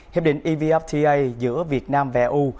hiệp định evfta giữa việt nam và eu